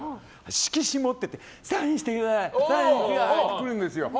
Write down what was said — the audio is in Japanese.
色紙持っててサインしてください！って来るんですよ。